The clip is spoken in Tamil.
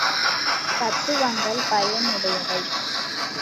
தத்துவங்கள் பயன் உடையவை.